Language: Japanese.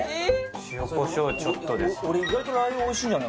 塩こしょうちょっとですね